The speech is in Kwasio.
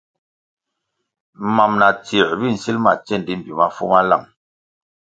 Mam na tsier bi nsíl ma tsendi mbpi mafu ma láng.